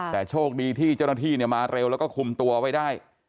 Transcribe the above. แต่โชคดีที่เจ้าหน้าที่มาเร็วแล้วก็คุมตัวไว้ได้